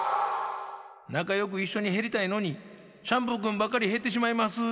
「なかよくいっしょにへりたいのにシャンプーくんばっかりへってしまいます」やて。